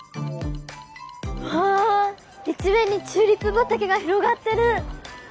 わあ一面にチューリップ畑が広がってる！